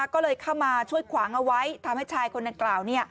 ก็เลยเข้ามาช่วยขวางเอาไว้ทำให้ชายคนดังกล่าว